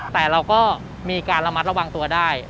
แต่เราก็มีการระมัดระวังตัวได้